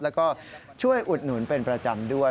แล้วก็ช่วยอุดหนุนเป็นประจำด้วย